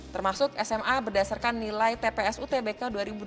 termasuk sma berdasarkan nilai tps utbk dua ribu dua puluh